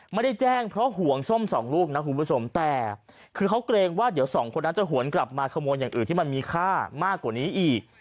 ไม่ได้แจ้งเพราะห่วงส้มสองลูกนะคุณผู้ชมแต่คือเขาเกรงว่าเดี๋ยวสองคนนั้นจะหวนกลับมาขโมยอย่างอื่นที่มันมีค่ามากกว่านี้อีก